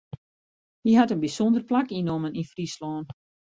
Hy hat in bysûnder plak ynnommen yn Fryslân.